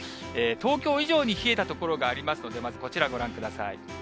東京以上に冷えた所がありますので、まずこちら、ご覧ください。